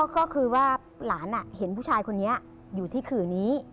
ก็คือว่าหลานเห็นผู้ชายคนนี้อยู่ที่ขื่อนี้